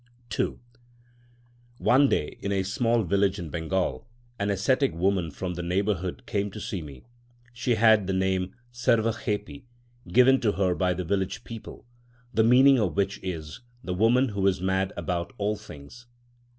II One day, in a small village in Bengal, an ascetic woman from the neighbourhood came to see me. She had the name "Sarva khepi" given to her by the village people, the meaning of which is "the woman who is mad about all things."